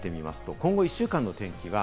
今後１週間の天気です。